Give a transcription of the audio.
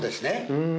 うん。